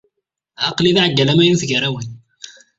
Aqli d aɛeggal amaynut gar-awen.